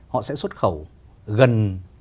họ sẽ xuất khẩu gần